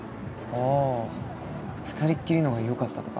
ああ二人きりのがよかったとか？